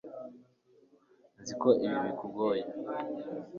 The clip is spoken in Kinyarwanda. nzi ko ibi bikugoye